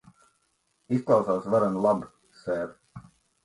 Izklausās varen labi, ser.